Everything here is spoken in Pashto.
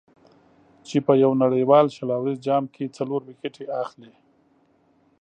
چې په یو نړیوال شل اوریز جام کې څلور ویکټې اخلي.